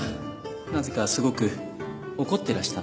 なぜかすごく怒っていらしたんです。